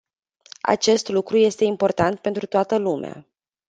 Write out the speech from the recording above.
Acest lucru este important pentru toată lumea.